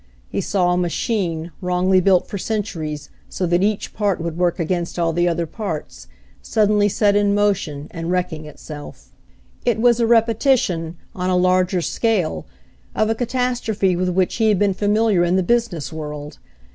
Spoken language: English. He saw a machine, wrongly built for centuries so that each part would work against all the other parts, suddenly set in mo tion and wrecking itself. It was a repetition, on a larger scale, of a ca tastrophe with which he had been familiar in the business world.